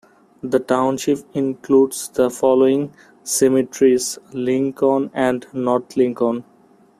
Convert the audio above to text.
The township includes the following cemeteries: Lincoln and North Lincoln.